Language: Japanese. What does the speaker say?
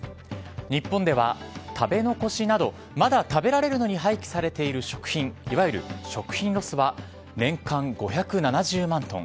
日本では食べ残しなど、まだ食べられるのに廃棄されている食品、いわゆる食品ロスは年間５７０万トン。